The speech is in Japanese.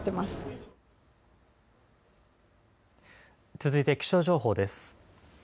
続いて気象情報です。